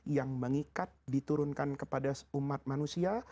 yang mengikat diturunkan kepada umat manusia